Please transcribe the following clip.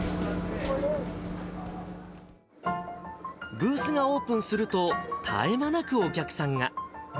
ブースがオープンすると、絶え間なくお客さんが。